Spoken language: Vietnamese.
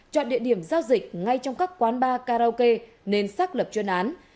chọn địa điểm giao dịch ngay trong các quán bar karaoke nên xác lập chuyên án